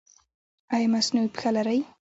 ایا مصنوعي پښه لرئ؟